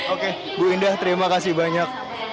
oke bu indah terima kasih banyak